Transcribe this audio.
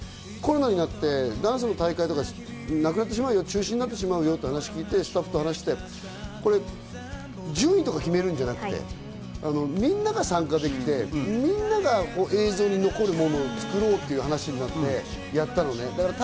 我々もコロナになって、ダンスの大会とかなくなってしまう、中止になってしまうよという話を聞いて、スタッフと話して、順位とか決めるんじゃなくてみんなが参加できて、みんなが映像に残るものを作ろうという話になって、やったのね。